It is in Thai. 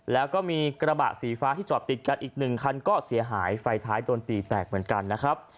แล้วก็มีกระบะสีฟ้าที่จอดติดกันอีกหนึ่งคันก็เสียหายไฟท้ายโดนตีแตกเหมือนกันนะครับ